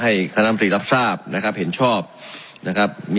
ให้คราวนามสริรับทราบนะครับเห็นชอบนะครับ